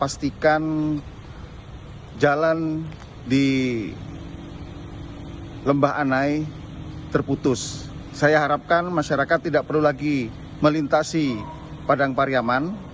saya harapkan masyarakat tidak perlu lagi melintasi padang pariaman